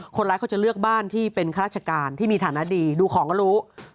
เขาจะเลือกบ้านที่เป็นข้าราชการที่มีฐานะดีดูของก็รู้